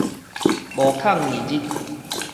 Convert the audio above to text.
無 khàng 暝日